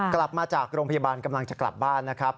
กลับมาจากโรงพยาบาลกำลังจะกลับบ้านนะครับ